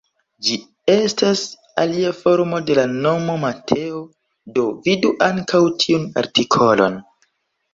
Ĝi estas alia formo de la nomo Mateo, do vidu ankaŭ tiun artikolon.